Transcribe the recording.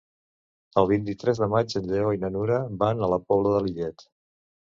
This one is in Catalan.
El vint-i-tres de maig en Lleó i na Nura van a la Pobla de Lillet.